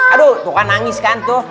aduh tuhan nangis kan tuh